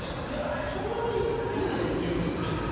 「いやそんなにいいです」って言うんですよね。